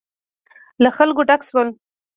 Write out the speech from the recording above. له خلکو ډک شول.